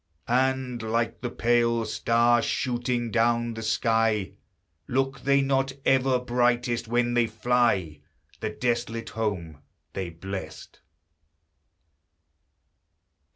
And, like the pale star shooting down the sky, Look they not ever brightest when they fly The desolate home they blessed?